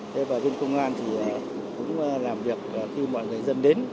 thế bà viên công an thì cũng làm việc khi mọi người dân đến